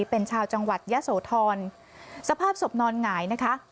เป็นชาวจังหวัดยะโสธรสภาพศพนอนหงายนะคะ